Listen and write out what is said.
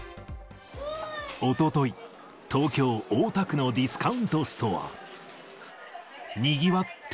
おととい、東京・大田区のディスカウントストア。